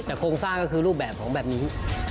แต่โครงสร้างก็คือรูปแบบของแบบนี้